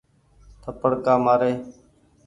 ٿپڙ ڪآ مآ ري ۔